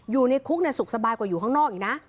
อยู่ในคุกสุขสบายกว่าอยู่ข้างนอกอีกนะ